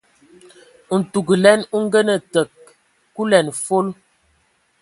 Ntugəlɛn o ngənə təg kulɛn fol.